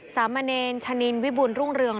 สามะเนงชะนินวิบูลรุ้งเรือง